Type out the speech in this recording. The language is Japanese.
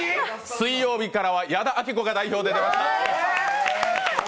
水曜日からは矢田亜希子が代表で出ました。